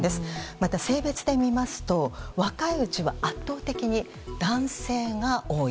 また、性別で見ますと若いうちは圧倒的に男性が多い。